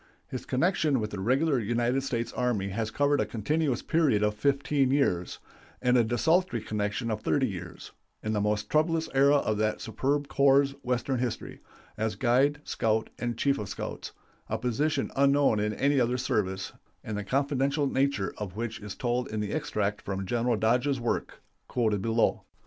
His connection with the Regular United States Army has covered a continuous period of fifteen years, and desultory connection of thirty years in the most troublous era of that superb corps' Western history as guide, scout, and chief of scouts a position unknown in any other service, and the confidential nature of which is told in the extract from General Dodge's work, quoted below.